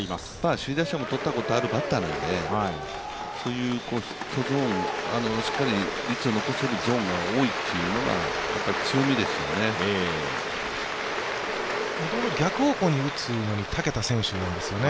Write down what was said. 首位打者もとったことがあるバッターなので、そういうヒットゾーン、しっかり率を残せるゾーンが多いというのが逆方向に打つのにたけた選手なんですよね。